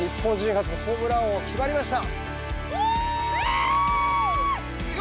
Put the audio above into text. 初ホームラン王決まりました！